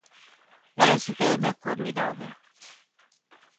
Ela seguiuna coa mirada.